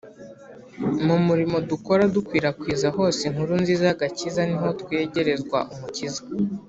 mu murimo dukora dukwirakwiza hose inkuru nziza y’agakiza ni ho twegerezwa umukiza